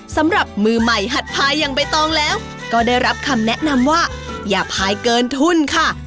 สำหรับมือใหม่หัดพายอย่างใบตองแล้วก็ได้รับคำแนะนำว่าอย่าพายเกินทุ่นค่ะ